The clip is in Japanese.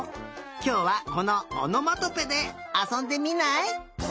きょうはこのおのまとぺであそんでみない？